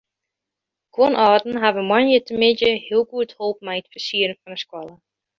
Guon âlden hawwe moandeitemiddei heel goed holpen mei it fersieren fan de skoalle.